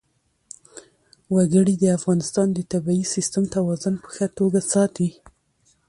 وګړي د افغانستان د طبعي سیسټم توازن په ښه توګه ساتي.